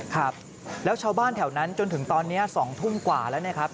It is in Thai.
ครับแล้วชาวบ้านแถวนั้นจนถึงตอนนี้๒ทุ่มกว่าแล้วนะครับ